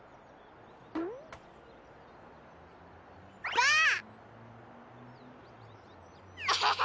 ばあっ！